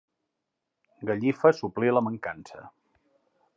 Gallifa suplí la mancança.